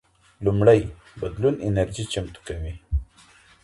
لومړی بدلون انرژي چمتو کوي.